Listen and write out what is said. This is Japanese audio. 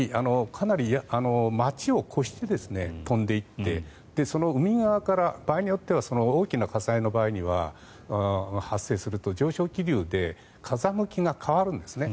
かなり街を越して飛んでいってその海側から場合によっては大きな火災の場合には発生すると、上昇気流で風向きが変わるんですね。